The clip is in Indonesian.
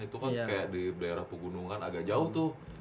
itu kan kayak di daerah pegunungan agak jauh tuh